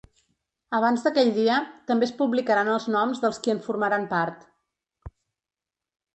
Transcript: Abans d’aquell dia, també, es publicaran els noms dels qui en formaran part.